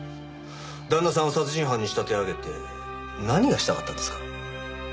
旦那さんを殺人犯に仕立て上げて何がしたかったんですか？